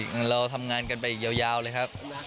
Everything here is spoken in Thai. เราทำงานกันไปยาวเลยครับ